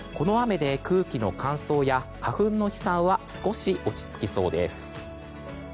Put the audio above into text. この雨で空気の乾燥や花粉の飛散は少し落ち着きそうです。